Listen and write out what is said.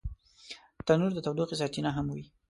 تنور د تودوخې سرچینه هم وي